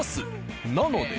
なので。